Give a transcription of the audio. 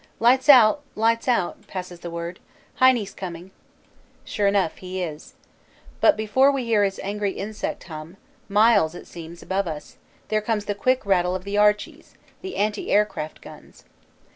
"Lights out; lights out!" passes the word. "Heine s coming." Sure enough he is. But before we hear his angry insect hum, miles it seems above us, there comes the quick rattle of the "Archies," the anti air craft guns.